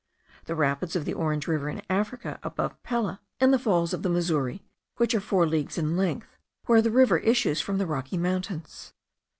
the rapids of the Orange River in Africa, above Pella; and the falls of the Missouri, which are four leagues in length, where the river issues from the Rocky Mountains.